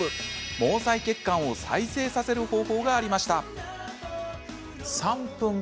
毛細血管を再生させる方法がありました。